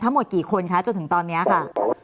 หมดกี่คนคะจนถึงตอนนี้ค่ะ